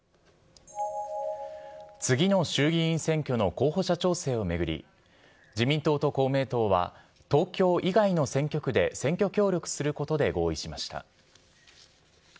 次の衆議院選挙の候補者調整を巡り、自民党と公明党は、東京以外の選挙区で選挙協力することで合意しました。